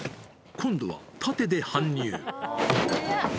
今度は縦で搬入。